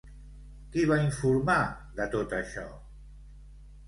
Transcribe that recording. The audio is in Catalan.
Qui va informar de tot això?